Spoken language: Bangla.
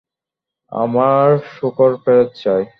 আমার শূকর ফেরত চাই।